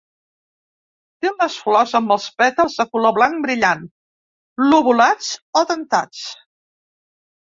Té les flors amb els pètals de color blanc brillant, lobulats o dentats.